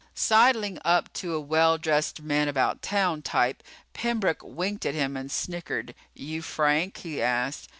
Sidling up to a well dressed man about town type, Pembroke winked at him and snickered. "You Frank?" he asked.